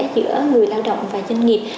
giữa người lao động và doanh nghiệp